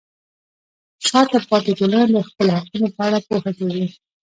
شاته پاتې ټولنه د خپلو حقونو په اړه پوهه کوي.